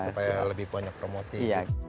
supaya lebih banyak promosi